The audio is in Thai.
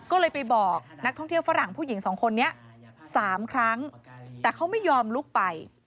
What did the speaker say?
ก็เลยไปบอกนักท่องเที่ยวฝรั่งผู้หญิงสองคนนี้๓ครั้งแต่เขาไม่ยอมลุกไป